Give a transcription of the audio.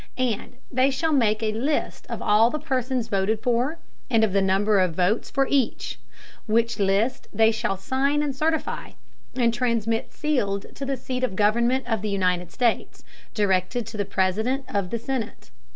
And they shall make a List of all the Persons voted for, and of the Number of Votes for each; which List they shall sign and certify, and transmit sealed to the Seat of the Government of the United States, directed to the President of the Senate.